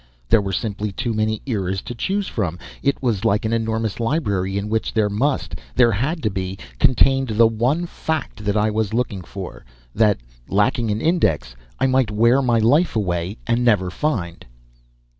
There were simply too many eras to choose from. It was like an enormous library in which there must, there had to be, contained the one fact I was looking for that, lacking an index, I might wear my life away and never find.